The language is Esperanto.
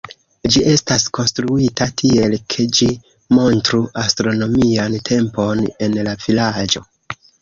Ĝi estas konstruita tiel, ke ĝi montru astronomian tempon en la vilaĝo.